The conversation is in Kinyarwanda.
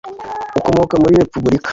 Ukomoka muri repubulika